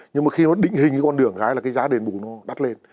nhưng mà khi nó định hình cái con đường gái là cái giá đền bù nó đắt lên